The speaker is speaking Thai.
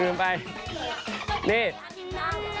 ไม่อยากกินน้ำ